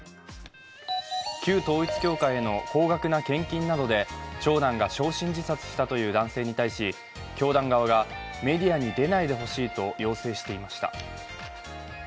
旧統一教会への高額な献金などで長男が焼身自殺したという男性に対し、教団側がメディアに出ないでほしいと要請していました。